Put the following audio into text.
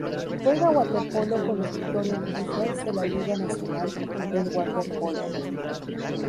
Juega waterpolo con los Victorian Tigers de la Liga Nacional del Waterpolo.